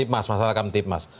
masalah kamtip mas